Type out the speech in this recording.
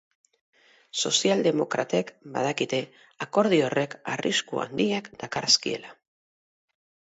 Sozialdemokratek badakite akordio horrek arrisku handiak dakarzkiela.